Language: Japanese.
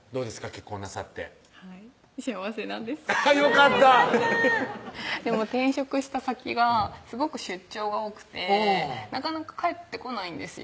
結婚なさって幸せなんですよかったでも転職した先がすごく出張が多くてなかなか帰ってこないんですよ